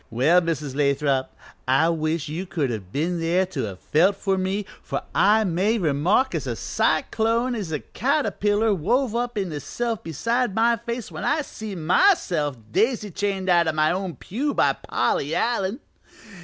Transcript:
Well, Mrs. Lathrop, I wish you could have been there to have felt for me, for I may remark as a cyclone is a caterpillar wove up in hisself beside my face when I see myself daisy chained out o' my own pew by Polly Allen.